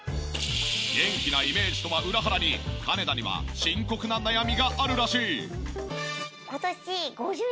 元気なイメージとは裏腹に金田には深刻な悩みがあるらしい。